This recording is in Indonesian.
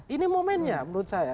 ini momennya menurut saya